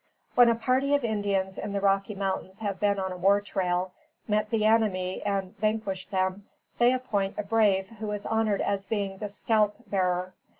When a party of Indians in the Rocky Mountains have been on a war trail, met the enemy and vanquished them, they appoint a brave who is honored as being the scalp bearer.